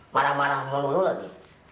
marah marah mau lulu lagi